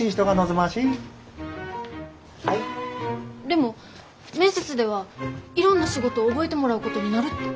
でも面接ではいろんな仕事を覚えてもらうことになるって。